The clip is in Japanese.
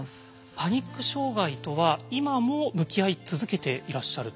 パニック障害とは今も向き合い続けていらっしゃるという。